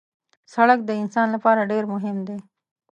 سړک د انسان لپاره ډېر مهم دی.